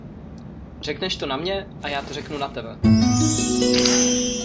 Řekneš to na mě a já to řeknu na tebe!